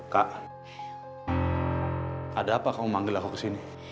kak ada apa kamu manggel aku ke sini